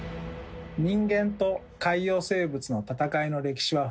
人間と海洋生物のたたかいの歴史は古く